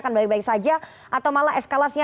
akan baik baik saja atau malah eskalasinya